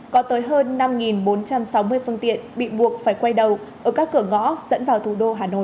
có tới hơn năm bốn trăm sáu mươi phương tiện bị buộc phải quay đầu ở các cửa ngõ dẫn vào thủ đô hà nội